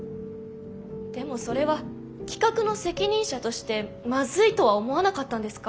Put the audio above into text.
でもそれは企画の責任者としてまずいとは思わなかったんですか？